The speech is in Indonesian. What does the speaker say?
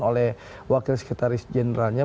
oleh wakil sekretaris generalnya